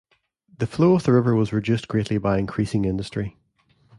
The flow of the river was reduced greatly by increasing industry.